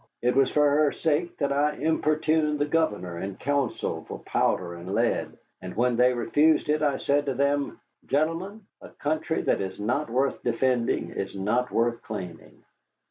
It was for her sake that I importuned the governor and council for powder and lead, and when they refused it I said to them, 'Gentlemen, a country that is not worth defending is not worth claiming.